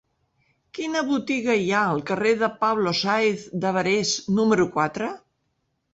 Quina botiga hi ha al carrer de Pablo Sáenz de Barés número quatre?